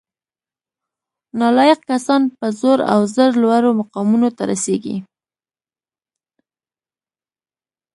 نالایق کسان په زور او زر لوړو مقامونو ته رسیږي